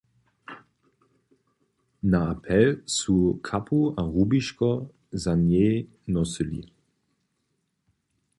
Na apel su kapu a rubiško za njej nosyli.